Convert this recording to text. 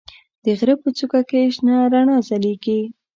د غره په څوکه کې شنه رڼا ځلېږي.